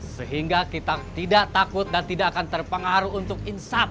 sehingga kita tidak takut dan tidak akan terpengaruh untuk insap